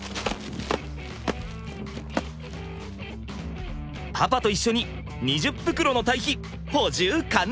パパと一緒に２０袋の堆肥補充完了！